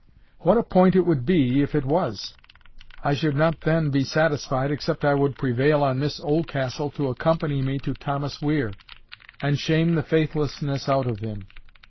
What a point it would be if it was! I should not then be satisfied except I could prevail on Miss Oldcastle to accompany me to Thomas Weir, and shame the faithlessness out of him.